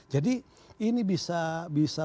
jadi ini bisa